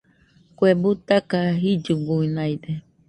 Kue butaka, jillugunaide.